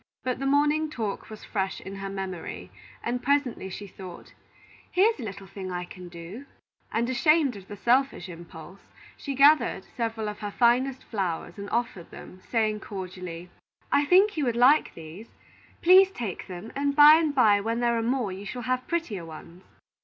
But the morning talk was fresh in her memory, and presently she thought: "Here is a little thing I can do;" and ashamed of the selfish impulse, she gathered several of her finest flowers and offered them, saying cordially: "I think you would like these. Please take them, and by and by when there are more, you shall have prettier ones."